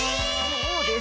そうです